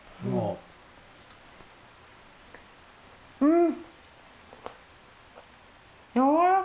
うん！